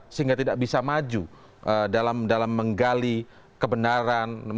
sehingga tidak bisa maju dalam menggali kebenaran